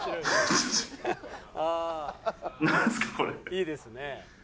「いいですね」